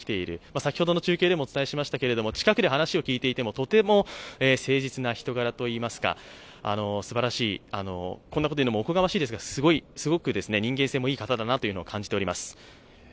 先ほどの中継でもお伝えしましたが、近くで話を聞いていましても、とても誠実な人柄といいますがすばらしい、こんなことを言うのもおこがましいですけど、すごく人間性もいい方だなというのを感じております。